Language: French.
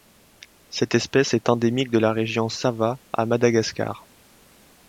Cette espèce est endémique de la région Sava à Madagascar.